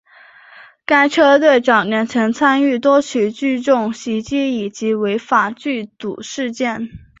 该车队早年曾参与多起聚众袭击以及违法聚赌事件。